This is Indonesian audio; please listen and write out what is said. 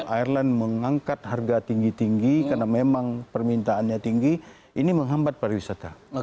airline mengangkat harga tinggi tinggi karena memang permintaannya tinggi ini menghambat pariwisata